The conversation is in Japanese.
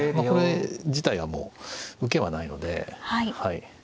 これ自体はもう受けはないのではい。